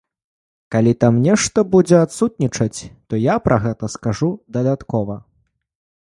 Калі там нешта будзе адсутнічаць, то я пра гэта скажу дадаткова.